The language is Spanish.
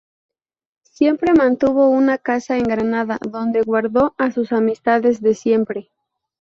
Siempre mantuvo una casa en Granada, donde guardó a sus amistades de siempre.